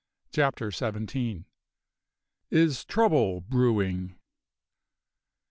CHAPTER SEVENTEEN. IS TROUBLE BREWING?